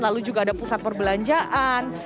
lalu juga ada pusat perbelanjaan